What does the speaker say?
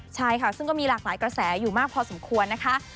ใช่ค่ะซึ่งก็มีหลากหลายกระแสอยู่มากพอสมควรนะคะ